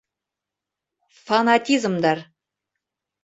Фанатизмдар!